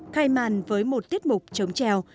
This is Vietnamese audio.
khai màn với một tiết mục chống trèo